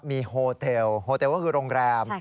มีโฮเตลโฮเตลก็คือโรงแรม